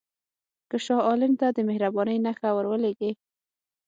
که شاه عالم ته د مهربانۍ نښه ورولېږې.